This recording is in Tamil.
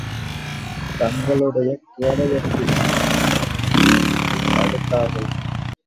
தங்களுடைய கேடயத்தினால், அலி அவர்கள் அதைத் தடுத்தார்கள்.